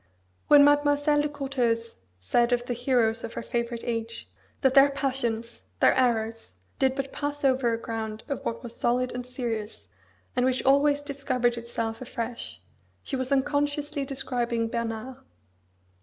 When Mademoiselle de Courteheuse said of the heroes of her favourite age, that their passions, their errors, did but pass over a ground of what was solid and serious, and which always discovered itself afresh, she was unconsciously describing Bernard.